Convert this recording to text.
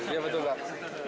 iya betul pak